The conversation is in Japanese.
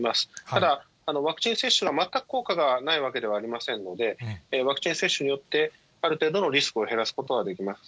ただ、ワクチン接種が全く効果がないわけではありませんので、ワクチン接種によって、ある程度のリスクを減らすことはできます。